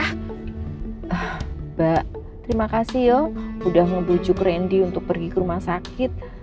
mbak terima kasih yo udah membujuk randy untuk pergi ke rumah sakit